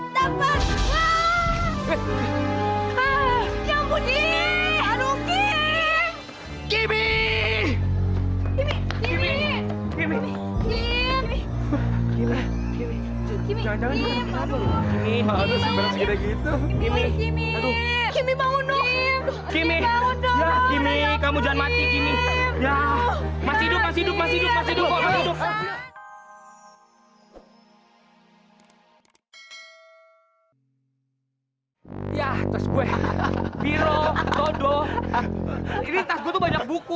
masih hidup masih hidup masih hidup masih hidup ya terus gue biro todo ini takut banyak buku